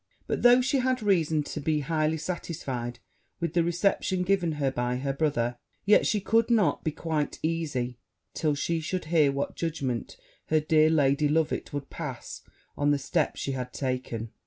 But though she had reason to be highly satisfied with the reception given her by her brother, yet she could not be quite easy till she should hear what judgment her dear Lady Loveit would pass on the step she had taken.